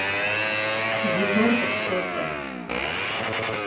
- Зыгуэр къысхуэщӏэ.